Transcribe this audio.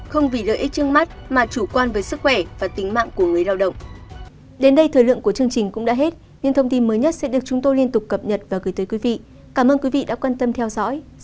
không vì lợi ích trước mắt mà chủ quan với sức khỏe và tính mạng của người lao động